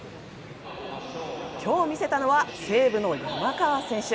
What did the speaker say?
今日、見せたのは西武の山川選手。